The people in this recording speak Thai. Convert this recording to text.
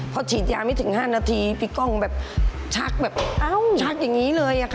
พอฉีดยาไม่ถึง๕นาทีพี่ก้องแบบชักแบบเอ้าชักอย่างนี้เลยอะค่ะ